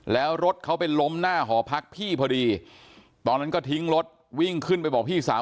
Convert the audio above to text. แล้วรถเขาไปล้มหน้าหอพักพี่พอดีตอนนั้นก็ทิ้งรถวิ่งขึ้นไปบอกพี่สาว